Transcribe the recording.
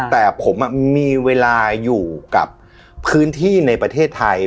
แต่ผมมีเวลาอยู่กับพื้นที่ในประเทศไทย